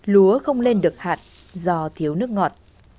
lúa không lên được hạn do thiếu nước ngọt